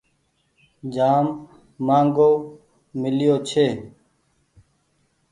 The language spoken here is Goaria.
جآم مآنگهو ميليو ڇي۔